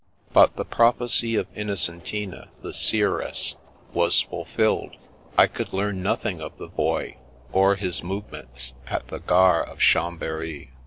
But the prophecy of Innocentina the Seeress was fulfilled. I could learn nothing of the Boy or his movements, at the gore of Chambery.